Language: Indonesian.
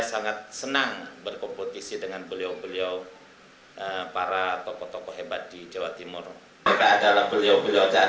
saya sangat senang berkompetisi dengan beliau beliau para tokoh tokoh hebat di jawa timur